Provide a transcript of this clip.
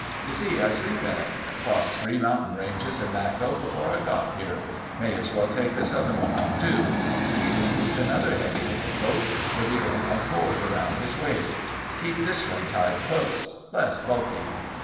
You see, I sleep in it. Crossed three mountain ranges in that coat before I got here. May as well take this other one off too." He removed another heavy overcoat, revealing a cord around his waist. "Keep this one tied close. Less bulky...."